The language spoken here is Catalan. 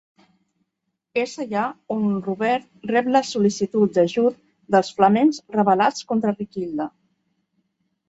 És allà on Robert rep la sol·licitud d'ajut dels flamencs rebel·lats contra Riquilda.